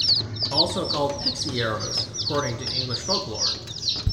Also called 'pixie arrows', according to English folklore.